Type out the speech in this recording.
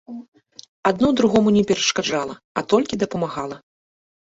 Адно другому не перашкаджала, а толькі дапамагала.